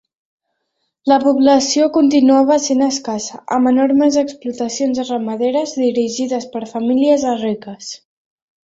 La població continuava sent escassa, amb enormes explotacions ramaderes dirigides per famílies riques.